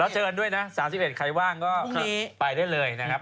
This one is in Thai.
เชิญด้วยนะ๓๑ใครว่างก็ไปได้เลยนะครับ